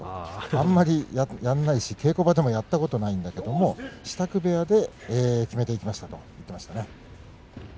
あまりやらないし稽古場でもやったことがないんだけれど支度部屋で決めていきましたと言っていました。